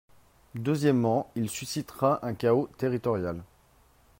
Deuxièmement, il suscitera un chaos territorial.